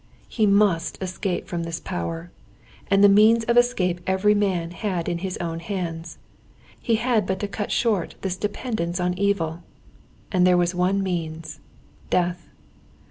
He must escape from this power. And the means of escape every man had in his own hands. He had but to cut short this dependence on evil. And there was one means—death.